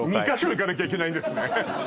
２カ所行かなきゃいけないんですね